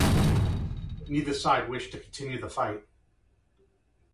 Neither side wished to continue the fight.